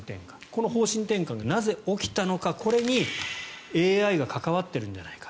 この方針転換がなぜ起きたのかこれにＡＩが関わっているんじゃないか。